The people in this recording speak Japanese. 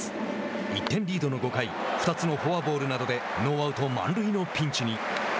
１点リードの５回２つのフォアボールなどでノーアウト満塁のピンチに。